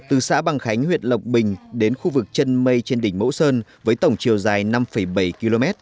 từ xã bằng khánh huyện lộc bình đến khu vực chân mây trên đỉnh mẫu sơn với tổng chiều dài năm bảy km